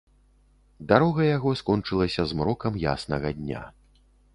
Дарога яго скончылася змрокам яснага дня.